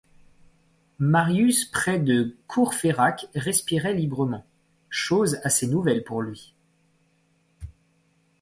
Marius près de Courfeyrac respirait librement, chose assez nouvelle pour lui.